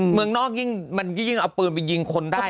เมืองนอกยิ่งมันยิ่งเอาปืนไปยิงคนได้